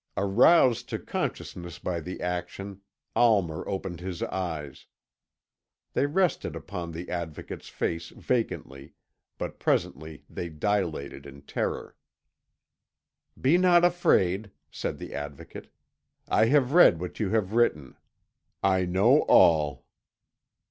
Aroused to consciousness by the action, Almer opened his eyes. They rested upon the Advocate's face vacantly, but presently they dilated in terror. "Be not afraid," said the Advocate, "I have read what you have written. I know all."